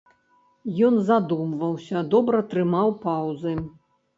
Ён задумваўся, добра трымаў паўзы.